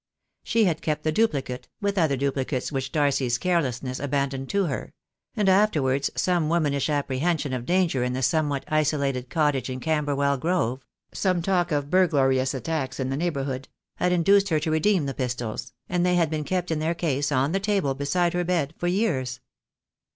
She had kept the duplicate, with other duplicates which Darcy's carelessness abandoned to her — and after wards some womanish apprehension of danger in the somewhat isolated cottage in Camberwell Grove — some talk of burglarious attacks in the neighbourhood — had induced her to redeem the pistols, and they had been kept in their case on the table beside her bed for years.